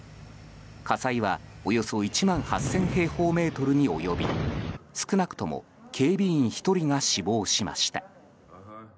火災は、およそ１万８０００平方メートルに及び少なくとも警備員１人が死亡しました。